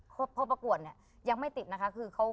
เพราะประกวดยังไม่ติดนะคะ